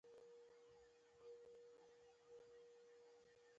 مستند شواهد د ناتوفیا ټولنه کې سلسله مراتب تاییدوي